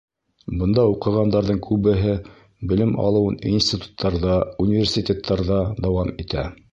Бында уҡығандарҙың күбеһе белем алыуын институттарҙа, университеттарҙа дауам итә.